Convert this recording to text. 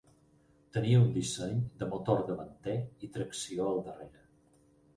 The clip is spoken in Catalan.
Tenia un disseny de motor davanter i tracció al darrere.